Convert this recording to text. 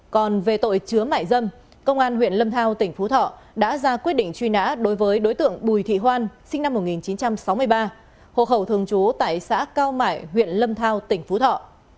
còn về tội chứa mại dâm công an huyện lâm thao tỉnh phú thọ đã ra quyết định truy nã đối với đối tượng bùi thị hoan sinh năm một nghìn chín trăm sáu mươi ba hộ khẩu thường trú tại xã cao mại huyện lâm thao tỉnh phú thọ